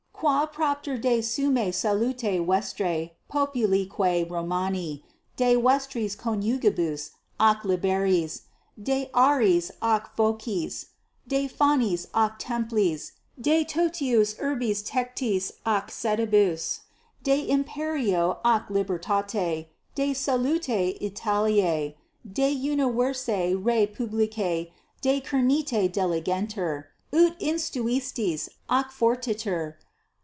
Quapropter de 24 summa salute vestra populique Romani, de vestris coniugibus ac liberis, de aris ac focis, de fanis ac templis, de totius urbis tectis ac sedibus, de imperio ac libertate, de salute Italiae, de universa re publica decernite diligenter, ut instituistis, ac fortiter.